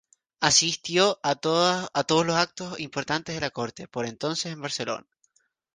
Asistió a todos los actos importantes de la Corte, por entonces en Barcelona.